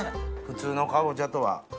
普通のかぼちゃとは。